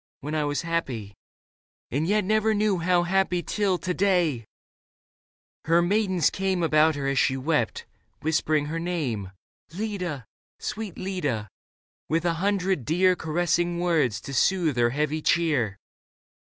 When I was happy — and yet never knew How happy till to day !" Her maidens came About her as she wept, whispering her name, Leda, sweet Leda, with a hundred dear Caressing words to soothe her heavy cheer.